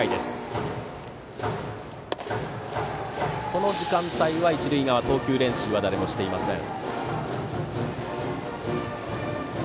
この時間帯は一塁側、投球練習は誰もしていません。